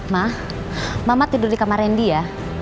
ma mama tidur di kamar randy ya